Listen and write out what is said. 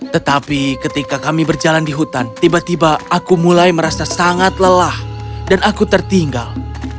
tetapi ketika kami berjalan di hutan tiba tiba aku mulai merasa sangat lelah dan aku tertinggal